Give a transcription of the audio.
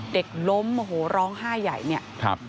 เด็กล้มโมโหร้องไห้ใหญ่เนี่ย